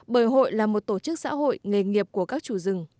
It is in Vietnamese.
bởi hội là một tổ chức xã hội nghề nghiệp của các chủ rừng